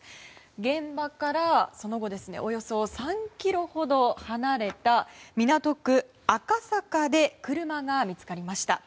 現場から、その後およそ３ｋｍほど離れた港区赤坂で車が見つかりました。